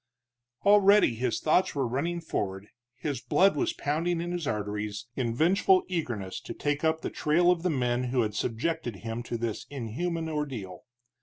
Already his thoughts were running forward, his blood was pounding in his arteries, in vengeful eagerness to take up the trail of the men who had subjected him to this inhuman ordeal.